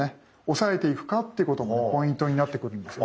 抑えていくかっていうこともポイントになってくるんですね。